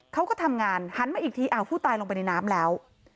เขาก็ทำงานหันมาอีกทีอ้าวผู้ตายลงไปในน้ำแล้ว